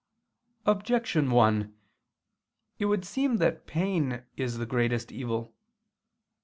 Objection 1: It would seem that pain is the greatest evil.